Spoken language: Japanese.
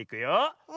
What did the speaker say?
うん。